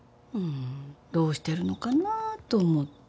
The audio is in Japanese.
どうしてるのかなと思って。